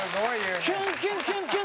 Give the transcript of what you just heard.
「キュンキュンキュンキュン